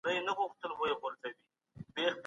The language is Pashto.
هغه اوس ګل كنـدهار مـــاتــه پــرېــږدي